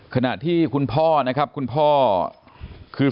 ขณะที่คุณพ่อนะครับคุณพ่อคือ